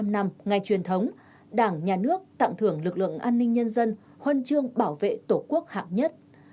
bảy mươi năm năm ngày truyền thống đảng nhà nước tặng thưởng lực lượng an ninh nhân dân huân chương bảo vệ tổ quốc hạng nhất